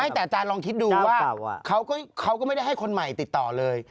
แต่อาจารย์ลองคิดดูว่าเขาก็ไม่ได้ให้คนใหม่ติดต่อเลย